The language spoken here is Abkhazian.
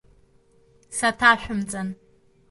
Саҭашәымҵан!